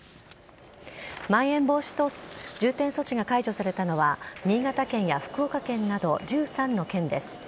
まん延防止等重点措置が解除されたのは、新潟県や福岡県など１３の県です。